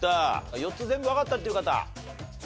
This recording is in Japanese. ４つ全部わかったっていう方？